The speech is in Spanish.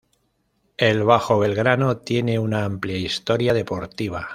El Bajo Belgrano tiene una amplia historia deportiva.